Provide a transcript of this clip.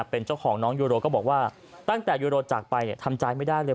เป็นเจ้าของน้องยูโรก็บอกว่าตั้งแต่ยูโรจากไปทำใจไม่ได้เลย